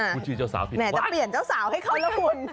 ชื่อเจ้าสาวผิดแหมจะเปลี่ยนเจ้าสาวให้เขาแล้วคุณ